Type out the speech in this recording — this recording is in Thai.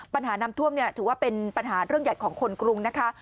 ปัญหาน้ำท่วมถือว่าเป็นปัญหาเรื่องใหญ่ของคนกรุงนะคะ